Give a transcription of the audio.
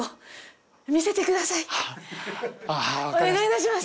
お願いいたします。